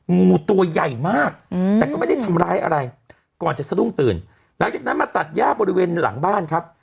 งูตัวใหญ่มากแต่ก็ไม่ได้ทำร้ายอะไรก่อนจะสะดุ้งตื่นหลังจากนั้นมาตัดย่าบริเวณหลังบ้านครับ